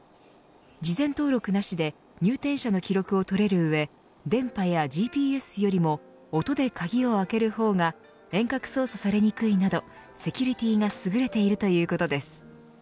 事前登録なしで入店者の記録を取れる上電波やＧＰＳよりも音で鍵を開けるほうが遠隔操作されにくいなどセキュリティがすぐれているということです。